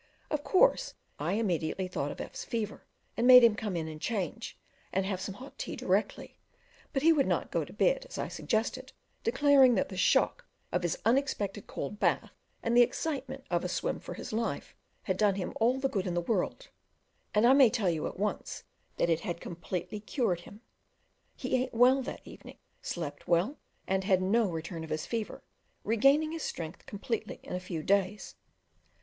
Of course I immediately thought of F 's fever, and made him come in and change; and have some hot tea directly; but he would not go to bed as I suggested, declaring that the shock of his unexpected cold bath, and the excitement of a swim for his life, had done him all the good in the world; and I may tell you at once; that it had completely cured him: he ate well that evening, slept well, and had no return of his fever, regaining his strength completely in a few days.